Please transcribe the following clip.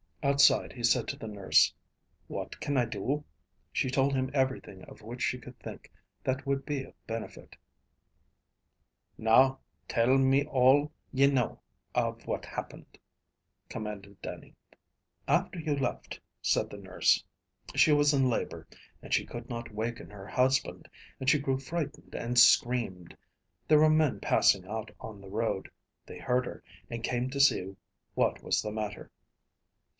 Outside he said to the nurse, "What can I do?" She told him everything of which she could think that would be of benefit. "Now tell me all ye know of what happened," commanded Dannie. "After you left," said the nurse, "she was in labor, and she could not waken her husband, and she grew frightened and screamed. There were men passing out on the road. They heard her, and came to see what was the matter."